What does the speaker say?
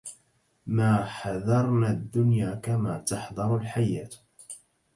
ما حذرن الدنيا كما تحذر الحية